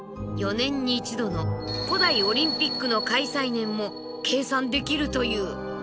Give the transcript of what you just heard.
４年に一度の古代オリンピックの開催年も計算できるという。